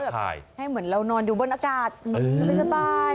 มันก็แบบให้เหมือนเรานอนดูบนอากาศมันไปสบาย